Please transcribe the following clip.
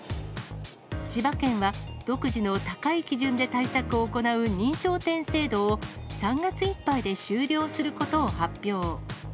千葉県は、独自の高い基準で対策を行う認証店制度を、３月いっぱいで終了することを発表。